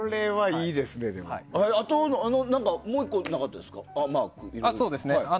あと、もう１個なかったですか？